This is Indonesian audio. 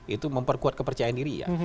itu memperkuat kepercayaan diri ya